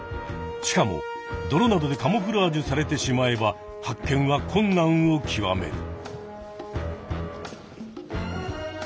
しかも泥などでカモフラージュされてしまえば発見は困難をきわめる。